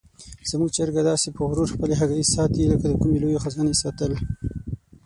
زموږ چرګه داسې په غرور خپلې هګۍ ساتي لکه د کومې لویې خزانې ساتل.